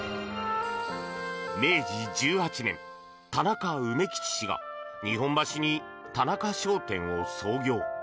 明治１８年、田中梅吉氏が日本橋に田中商店を創業。